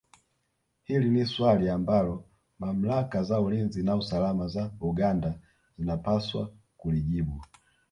Hili ni swali ambalo mamlaka za ulinzi na usalama za Uganda zinapaswa kulijibu